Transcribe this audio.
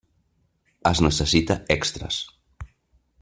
Es necessita extres.